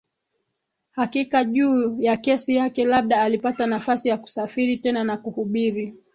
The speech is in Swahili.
hakika juu ya kesi yake Labda alipata nafasi ya kusafiri tena na kuhubiri